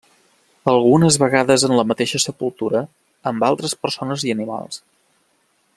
Algunes vegades en la mateixa sepultura amb altres persones i animals.